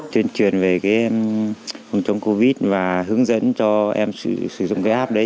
tuyên truyền về cái phòng chống covid và hướng dẫn cho em sử dụng cái app đấy